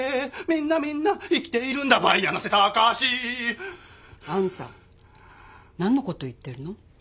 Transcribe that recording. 「みんなみんな生きているんだバイやなせたかし」あんた何のこと言ってるの？